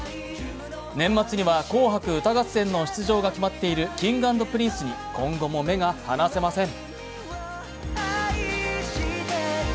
年末には「紅白歌合戦」の出場が決まっているＫｉｎｇ＆Ｐｒｉｎｃｅに今後も目が離せません。